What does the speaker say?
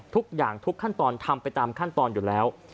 ทุกอย่างทุกขั้นตอนทำไปตามขั้นตอนอยู่แล้ว